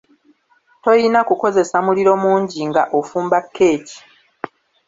Toyina kukozesa muliro mungi nga ofumba kkeeki.